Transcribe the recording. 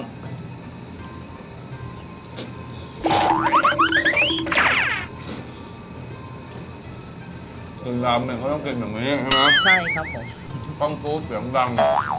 กินลาเมงเขาต้องกินแบบนี้ใช่ไหมใช่ครับผมต้องซุสเสียงดัง